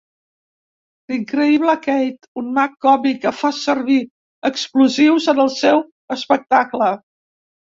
L'increïble Keith: un mag còmic que fa servir explosius en el seu espectacle.